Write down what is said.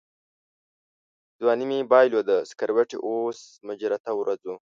ځواني مې بایلوده سکروټې اوس مجمرته ورځو